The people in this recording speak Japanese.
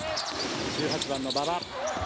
１８番の馬場。